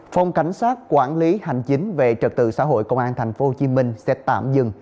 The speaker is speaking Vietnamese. phòng cảnh sát quản lý hành chính về trật tự xã hội công an tp hcm sẽ tạm dừng